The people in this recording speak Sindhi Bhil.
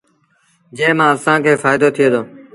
جݩهݩ مآݩ اسآݩ کي ڦآئيدو ٿئي دو۔